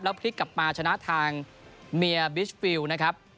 พลิกกลับมาชนะทางเมียบิชฟิลนะครับ